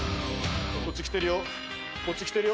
こっち来てるよ